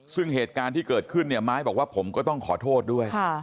ซึ่งเหตุการณ์ที่เกิดขึ้นเนี่ยไม้บอกว่าผมก็ต้องขอโทษด้วย